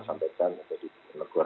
misalnya tidak pakai masker